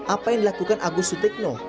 apa yang dilakukan agus sutikno